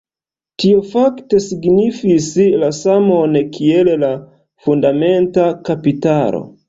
Tio fakte signifis la samon kiel la fundamenta kapitalo.